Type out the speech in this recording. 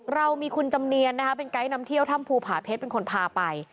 เรามีคุณจำเนียนนะคะเป็นไกด์นำเที่ยวถ้ำภูผาเพชรเป็นคนพาไป